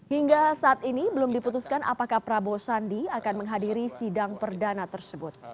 hingga saat ini belum diputuskan apakah prabowo sandi akan menghadiri sidang perdana tersebut